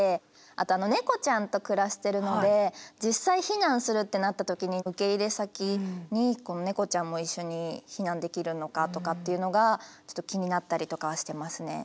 あと猫ちゃんと暮らしているので実際避難するってなった時の受け入れ先に猫ちゃんも一緒に避難できるのかとかっていうのがちょっと気になったりとかはしてますね。